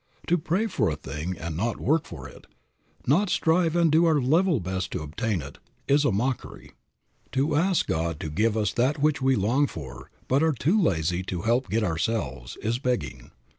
To pray for a thing and not work for it, not strive and do our level best to obtain it, is a mockery. To ask God to give us that which we long for, but are too lazy to help get ourselves, is begging.